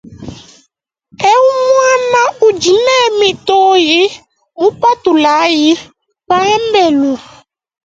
Ewu muana udi ne mitoyi mupatulayi pambelu.